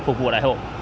phục vụ đại hội